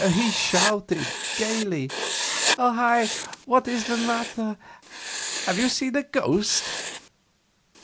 He shouted, gaily: "Hi hi! What is the matter? Have you seen a ghost?"